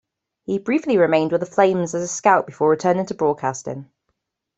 He briefly remained with the Flames as a scout before turning to broadcasting.